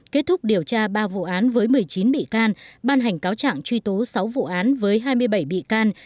kết thúc điều tra ba vụ án với một mươi chín bị can ban hành cáo trạng truy tố sáu vụ án với hai mươi bảy bị can